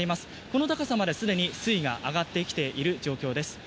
この高さまで、すでに水位が上がってきている状況です。